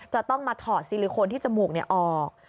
จะต้องมาถอดซิลิโคนที่จมูกออก